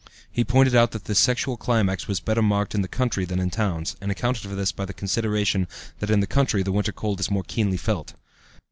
He pointed out that this sexual climax was better marked in the country than in towns, and accounted for this by the consideration that in the country the winter cold is more keenly felt.